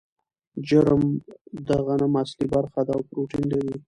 جرم د غنم اصلي برخه ده او پروټین لري.